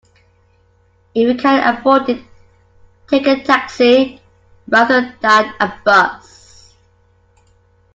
If you can afford it, take a taxi rather than a bus